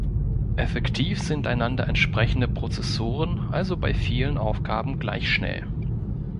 Effektiv sind einander entsprechende Prozessoren also bei vielen Aufgaben gleich schnell.